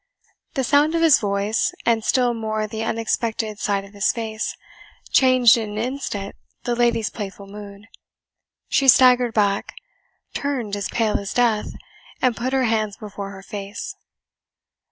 The sound of his voice, and still more the unexpected sight of his face, changed in an instant the lady's playful mood. She staggered back, turned as pale as death, and put her hands before her face.